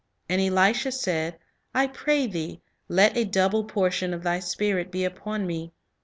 And Elisha said, I pray thee, let a double portion of di spirit be upon me.